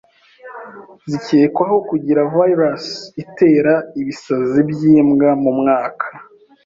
zikekwaho kugira virus itera ibisazi by’imbwa mu mwaka